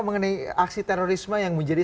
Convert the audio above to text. mengenai aksi terorisme yang menjadi